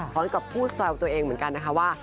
พร้อมกับพูดแซวตัวเองเหมือนกันนะคะว่า